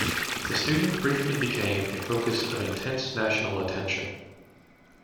The student briefly became a focus of intense national attention.